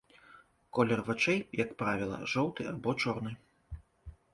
Колер вачэй, як правіла, жоўты або чорны.